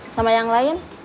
sama yang lain